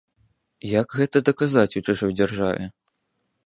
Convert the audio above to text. Як гэта даказаць у чужой дзяржаве?